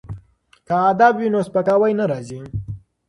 که ادب وي نو سپکاوی نه راځي.